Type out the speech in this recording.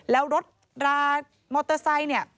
แล้วรถรามอเตอร์ไซค์เนี่ย